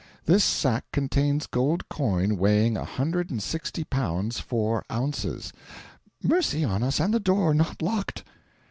This sack contains gold coin weighing a hundred and sixty pounds four ounces " "Mercy on us, and the door not locked!"